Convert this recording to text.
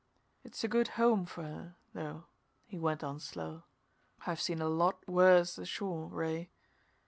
"It's a good home for her, though," he went on slow. "I've seen a lot worse ashore, Ray.